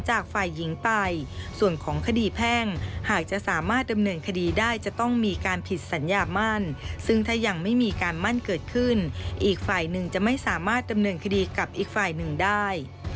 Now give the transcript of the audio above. จากฝ่ายหญิงไป